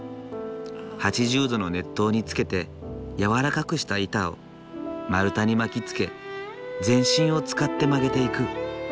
８０℃の熱湯につけて軟らかくした板を丸太に巻きつけ全身を使って曲げていく。